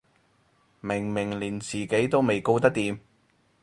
明明連自己都未顧得掂